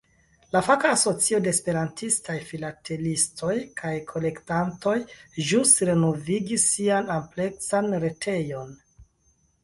La faka asocio de esperantistaj filatelistoj kaj kolektantoj ĵus renovigis sian ampleksan retejon.